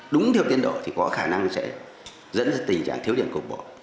đúng theo tiến độ thì có khả năng sẽ dẫn đến tình trạng thiếu điện cục bỏ